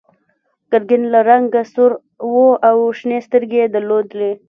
ګرګین له رنګه سور و او شنې سترګې یې درلودې.